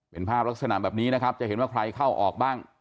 เป็นภาพลักษณะแบบนี้นะครับจะเห็นว่าใครเข้าออกบ้าง